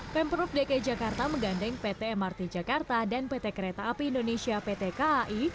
pemprov dki jakarta menggandeng pt mrt jakarta dan pt kereta api indonesia pt kai